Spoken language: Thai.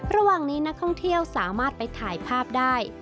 ระหว่างนี้นักท่องเที่ยวสามารถไปถ่ายภาพได้